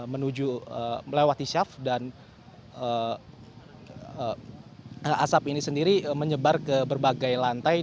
menuju melewati syaf dan asap ini sendiri menyebar ke berbagai lantai